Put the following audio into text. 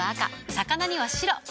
魚には白。